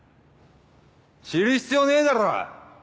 知る必要ねえだろ。